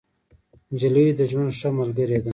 نجلۍ د ژوند ښه ملګرې ده.